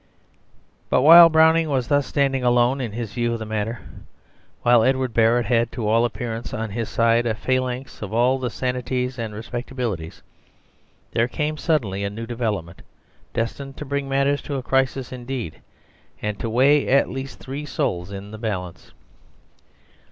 But while Browning was thus standing alone in his view of the matter, while Edward Barrett had to all appearance on his side a phalanx of all the sanities and respectabilities, there came suddenly a new development, destined to bring matters to a crisis indeed, and to weigh at least three souls in the balance.